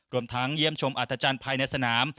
รวมทั้งเยี่ยมชมอัธจันทร์ภายในสนาม